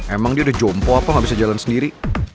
emang dia udah jompo apa nggak bisa jalan sendiri